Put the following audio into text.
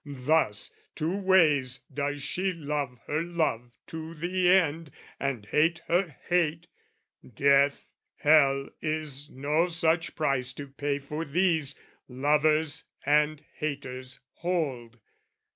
"Thus, two ways, does she love her love to the end, "And hate her hate, death, hell is no such price "To pay for these, lovers and haters hold."